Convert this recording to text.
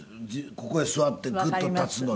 ここへ座ってグッと立つのに。